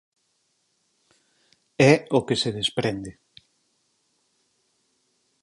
É o que se desprende.